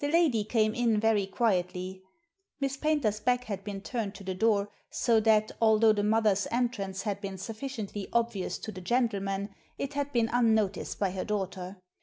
The lady came in very quietly. Miss Paynter's back had been turned to the door, so that, although the mother's entrance had been sufficiently obvious to the gentleman, it had been unnoticed by her daughter.